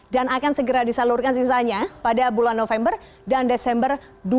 dan akan segera disalurkan sisanya pada bulan november dan desember dua ribu dua puluh